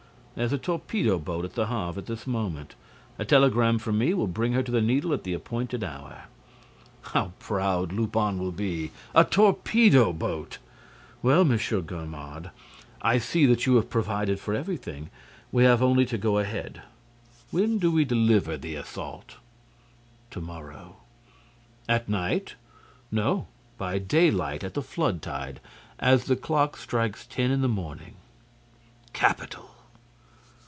There's a torpedo boat at the Havre at this moment. A telegram from me will bring her to the Needle at the appointed hour." "How proud Lupin will be! A torpedo boat! Well, M. Ganimard, I see that you have provided for everything. We have only to go ahead. When do we deliver the assault?" "To morrow." "At night?" "No, by daylight, at the flood tide, as the clock strikes ten in the morning." "Capital."